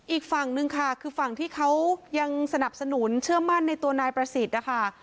อีกฝั่งหนึ่งค่ะคือฝั่งที่เขายังสนับสนุนเชื่อมั่นในตัวนายประสิทธิ์นะคะ